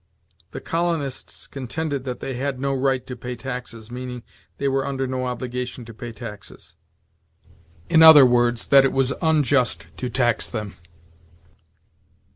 "The Colonists contended that they had no right to pay taxes," meaning, "They were under no obligation to pay taxes," i. e., that it was unjust to tax them.